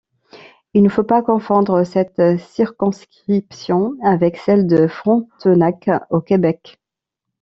Il ne faut pas confondre cette circonscription avec celle de Frontenac au Québec.